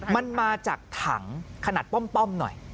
มันมาจากถังขนาดป้อมหน่อย